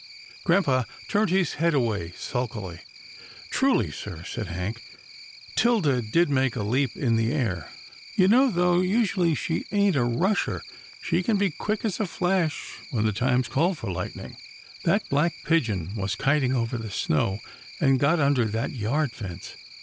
Grampa turned his head away, sulkily. " Truly sir," said Hank, " 'Tilda did make a leap in the air. You know, though usually she ain't a rusher, she can be quick as a flash, when the times 146 'TILDA JANE'S ORPHANS call for lightning — That black pigeon was kiting over the snow, and got under that yard fence.